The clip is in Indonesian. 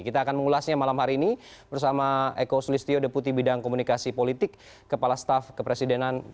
kita akan mengulasnya malam hari ini bersama eko sulistyo deputi bidang komunikasi politik kepala staff kepresidenan